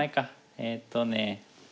えっとね。